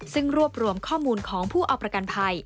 ซึ่งรวบรวมข้อมูลของผู้เอาประกันภัย